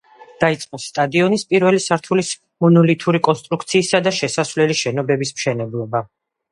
დაიწყო სტადიონის პირველი სართულის მონოლითური კონსტრუქციისა და შესასვლელი შენობების მშენებლობა.